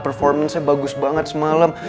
performance nya bagus banget semalam